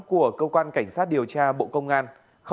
của cơ quan cảnh sát điều tra bộ công an